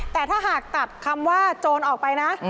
แต่ถ้าหากตัดคำว่าโจรออกไปนะ